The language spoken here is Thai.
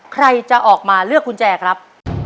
ใครจะออกมาเลือกกุญแจครับ